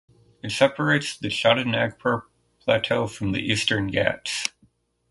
It separates the Chhota Nagpur Plateau from the Eastern Ghats.